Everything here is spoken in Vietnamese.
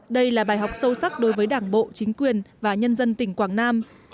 đây là bài học sâu sắc đối với đảng bộ chính quyền và nhân dân tỉnh quảng nam